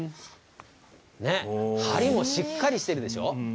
はりもしっかりしているでしょう。